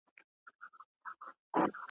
له ستړیا یې اندامونه رېږدېدله .